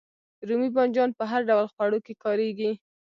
رومی بانجان په هر ډول خوړو کې کاریږي